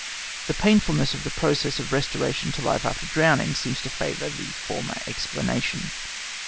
The painfulness of the process of restoration to life after drowning seems to favour the former explanation.